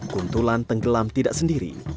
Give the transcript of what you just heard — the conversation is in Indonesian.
kuntulan tenggelam tidak sendiri